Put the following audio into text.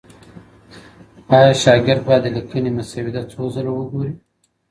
ایا شاګرد باید د ليکني مسوده څو ځله وګوري؟